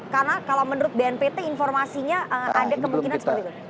karena kalau menurut bnpt informasinya ada kemungkinan seperti itu